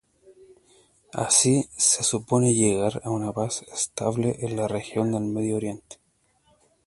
Así se supone llegar a una paz estable en la región del Medio Oriente.